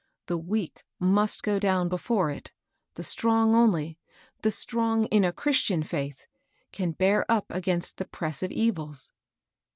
The weak must go down before it ; the strong only, — the strong in a Christian &ith, can bear up against the press ci evils."